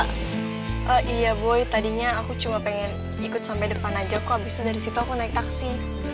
iya boy tadinya aku cuma pengen ikut sampai depan aja kok abisnya dari situ aku naik taksi